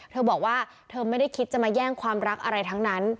เธอบอกว่าเธอไม่ได้คิดจะมาแย่งความรักอะไรทั้งนั้น